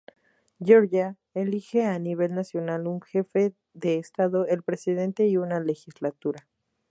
Georgia elige a nivel nacional un jefe de estado -el presidente- y una legislatura.